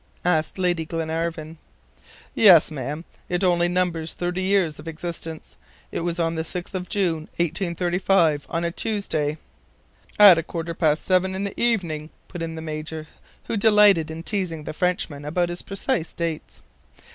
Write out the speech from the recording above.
asked Lady Glenarvan. "Yes, madam, it only numbers thirty years of existence. It was on the 6th of June, 1835, on a Tuesday " "At a quarter past seven in the evening," put in the Major, who delighted in teasing the Frenchman about his precise dates.